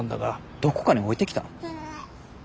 どこかに置いてきた？